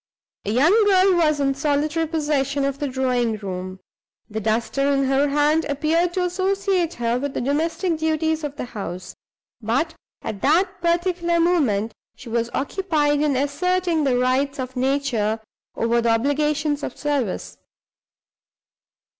A young girl was in solitary possession of the drawing room. The duster in her hand appeared to associate her with the domestic duties of the house; but at that particular moment she was occupied in asserting the rights of nature over the obligations of service.